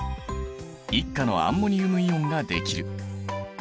１価のアンモニウムイオンができる。